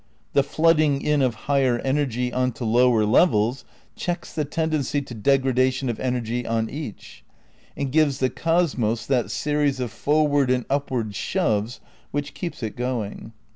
The flooding in of higher energy on to lower levels checks the tendency to degra dation of energy on each, and gives the cosmos that series of forward and upward shoves which keeps it going.